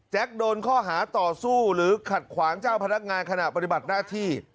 โดนข้อหาต่อสู้หรือขัดขวางเจ้าพนักงานขณะปฏิบัติหน้าที่